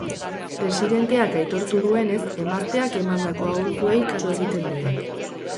Presidenteak aitortu duenez, emazteak emandako aholkuei kasu egiten die.